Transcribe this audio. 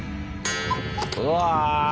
うわ！